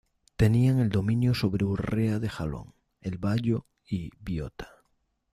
Tenían el dominio sobre Urrea de Jalón, El Bayo y Biota.